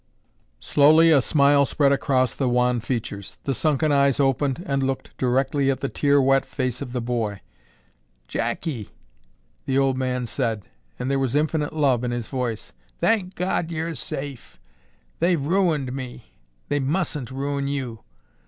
Slowly a smile spread over the wan features. The sunken eyes opened and looked directly at the tear wet face of the boy. "Jackie," the old man said, and there was infinite love in his voice. "Thank God you're safe! They've ruined me. They mustn't ruin you.